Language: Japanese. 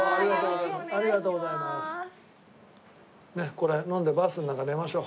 これ飲んでバスの中寝ましょう。